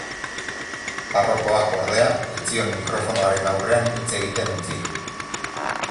Parrokoak, ordea, ez zion mikrofonoaren aurrean hitz egiten utzi.